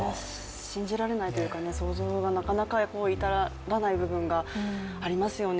信じられないというか、想像がなかなか至らない部分がありますよね。